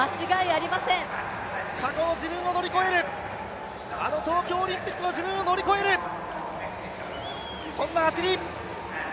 過去の自分を乗り越える、あの東京オリンピックの自分を乗り越える、そんな走り。